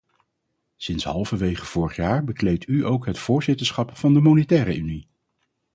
Sinds halverwege vorig jaar bekleedt u ook het voorzitterschap van de monetaire unie.